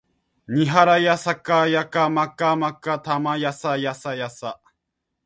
にはらやさやかまかまかたまやさやさやさ